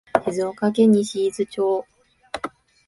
静岡県西伊豆町